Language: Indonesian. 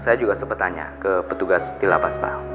saya juga sempat tanya ke petugas di lapas pak